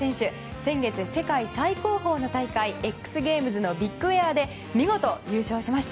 先月、世界最高峰の大会ＸＧＡＭＥＳのビッグエアで見事、優勝しました。